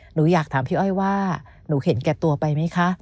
หนูอยากถามพี่อ้อยว่าหนูเห็นแก่ตัวไปไหมคะ